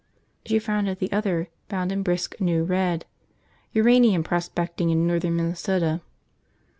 She frowned at the other, bound in brisk new red: Uranium Prospecting in Northern Minnesota.